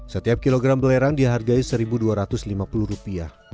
setiap kilogram belerang dihargai rp satu dua ratus lima puluh